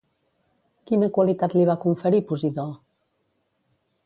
Quina qualitat li va conferir Posidó?